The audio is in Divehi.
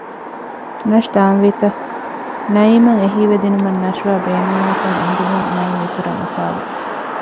ނަޝް ދާންވީ ތަ؟ ނައީމްއަށް އެހީވެދިނުމަށް ނަޝްވާ ބޭނުންވާކަން އެނގުމުން ނައީމް އިތުރަށް އުފާވި